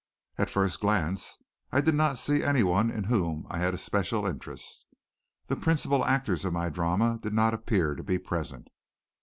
At first glance I did not see any one in whom I had especial interest. The principal actors of my drama did not appear to be present.